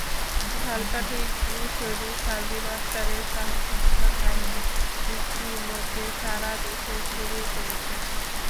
ঝালকাঠির কিশোরী শারমিন আক্তারের সাহসিকতার কাহিনি ইতিমধ্যে সারা দেশে ছড়িয়ে পড়েছে।